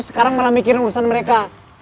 sekarang malah mikirin urusan mereka